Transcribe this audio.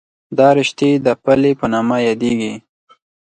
دا رشتې د پلې په نامه یادېږي.